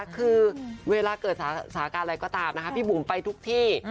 คือเวลาเกิดสาการอะไรก็ตามนะคะพี่บุ๋มไปทุกที่